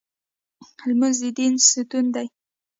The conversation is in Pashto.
لمونځ د دین ستون دی